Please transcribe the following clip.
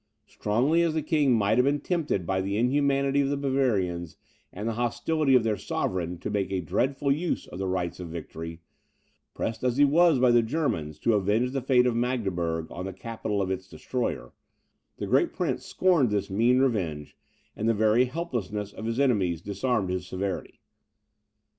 Strongly as the king might have been tempted by the inhumanity of the Bavarians, and the hostility of their sovereign, to make a dreadful use of the rights of victory; pressed as he was by Germans to avenge the fate of Magdeburg on the capital of its destroyer, this great prince scorned this mean revenge; and the very helplessness of his enemies disarmed his severity.